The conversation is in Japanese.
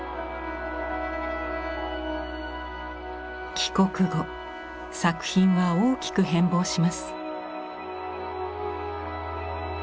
帰国後作品は大きく変貌します。